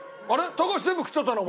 高橋全部食っちゃったの？